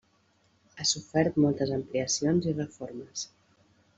Ha sofert moltes ampliacions i reformes.